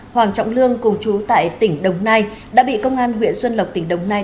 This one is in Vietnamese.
hoàng trọng lương cùng chú tại tỉnh đồng nai đã bị công an huyện xuân lộc tỉnh đồng nai